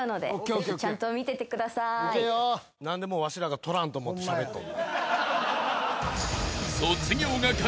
何でもうわしらが取らんと思ってしゃべっとる。